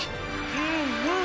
うんうん！